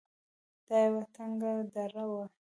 دا يوه تنگه دره وه.